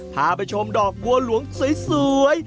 พาไปชมดอกบัวหลวงสวย